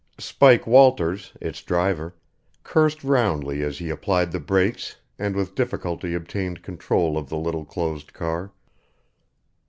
Spike Walters, its driver, cursed roundly as he applied the brakes and with difficulty obtained control of the little closed car.